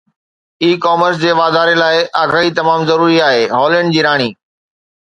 اي commerce جي واڌاري لاءِ آگاهي تمام ضروري آهي، هالينڊ جي راڻي